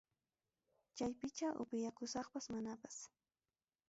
Chaypicha upiakusaqpas manapas.